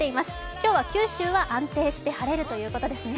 今日は九州は安定して晴れるということですね。